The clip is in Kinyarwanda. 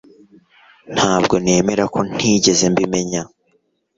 ntabwo nemera ko ntigeze mbimenya